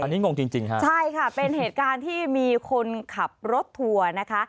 อันนี้งงจริงจริงฮะใช่ค่ะเป็นเหตุการณ์ที่มีคนขับรถทัวร์นะคะ